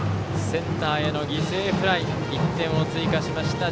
センターへの犠牲フライで１点を追加しました。